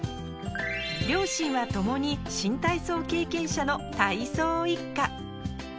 両親は共に新体操経験者の体操一家。